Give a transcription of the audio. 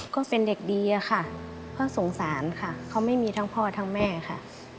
ก็เป็นเด็กดีอะค่ะเพราะสงสารค่ะเขาไม่มีทั้งพ่อทั้งแม่ค่ะ